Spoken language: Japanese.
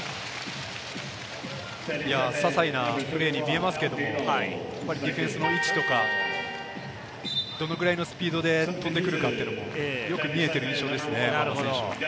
ささいなプレーに見えますけれども、ディフェンスの位置とか、どのくらいのスピードで飛んでくるかというのもよく見えている印象ですね。